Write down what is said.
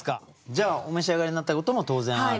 じゃあお召し上がりになったことも当然ある？